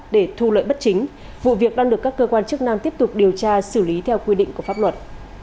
để thu lợi bất chính vụ việc đang được các cơ quan chức năng tiếp tục điều tra xử lý theo quy định của pháp luật